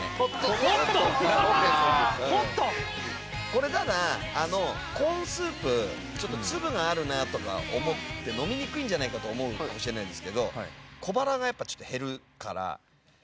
これならコーンスープちょっと粒があるなとか思って飲みにくいんじゃないかと思うかもしれないんですけど。